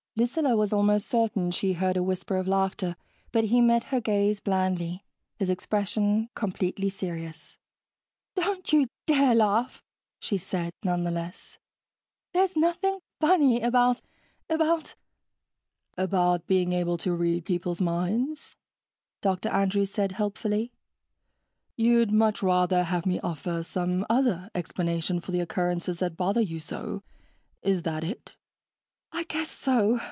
Lucilla was almost certain she heard a whisper of laughter, but he met her gaze blandly, his expression completely serious. "Don't you dare laugh!" she said, nonetheless. "There's nothing funny about ... about...." "About being able to read people's minds," Dr Andrews said helpfully. "You'd much rather have me offer some other explanation for the occurrences that bother you so is that it?" "I guess so.